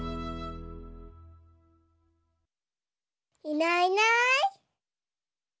いないいない。